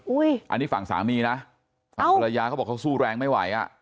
อันนี้ฝั่งสามีนะฝั่งภรรยาเขาบอกเขาสู้แรงไม่ไหวอ่ะ